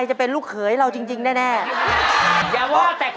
เจ้าพระยา